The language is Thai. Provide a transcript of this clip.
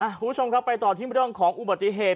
คุณผู้ชมครับไปต่อที่เรื่องของอุบัติเหตุ